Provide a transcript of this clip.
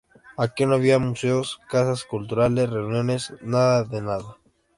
Aquí no había museos, casas culturales, reuniones, ¡nada de nada!